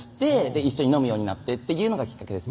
一緒に飲むようになってっていうのがきっかけですね